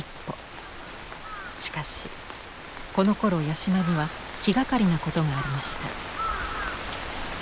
しかしこのころ八島には気がかりなことがありました。